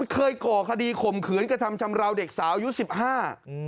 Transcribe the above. เคยก่อคดีข่มเขือนกระทำชำราวเด็กสาวยุทธ์๑๕